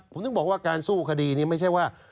ผมถึงบอกว่าการสู้คดีนี้ไม่ใช่ว่า